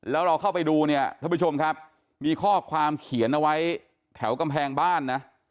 แล้วเราเข้าไปดูเนี่ยท่านผู้ชมครับมีข้อความเขียนเอาไว้แถวกำแพงบ้านนะ